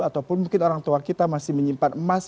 ataupun mungkin orang tua kita masih menyimpan emas